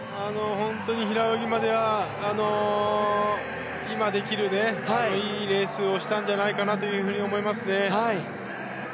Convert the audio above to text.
本当に平泳ぎまでは今できるいいレースをしたんじゃないかなと思いますね。